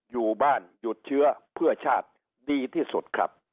อยู่บ้านหยุดเชื้อเพื่อชาติดีที่สุดครับ